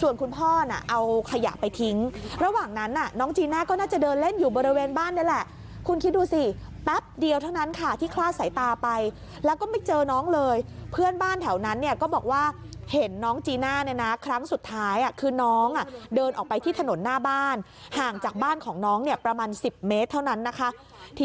ส่วนคุณพ่อน่ะเอาขยะไปทิ้งระหว่างนั้นน้องจีน่าก็น่าจะเดินเล่นอยู่บริเวณบ้านนั้นแหละคุณคิดดูสิแป๊บเดียวเท่านั้นค่ะที่คลาดสายตาไปแล้วก็ไม่เจอน้องเลยเพื่อนบ้านแถวนั้นเนี่ยก็บอกว่าเห็นน้องจีน่าเนี่ยนะครั้งสุดท้ายคือน้องอ่ะเดินออกไปที่ถนนหน้าบ้านห่างจากบ้านของน้องเนี่ยประมาณ๑๐เมตรเท่านั้นนะคะท